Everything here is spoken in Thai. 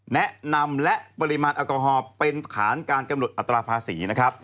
แนะนำและปริมาณแอลกอฮอล์เป็นฐานการกำหนดอัตราภาษีนะครับ